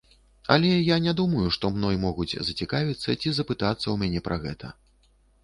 Але я не думаю, што мной могуць зацікавіцца ці запытацца ў мяне пра гэта.